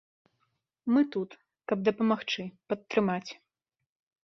Мы тут, каб дапамагчы, падтрымаць.